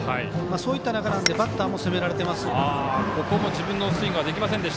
そういった中なのでバッターも攻められてます。